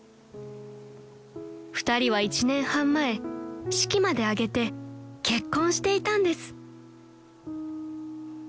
［２人は１年半前式まで挙げて結婚していたんです］